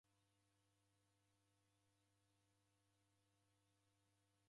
Omoni si mdaw'ida ungi.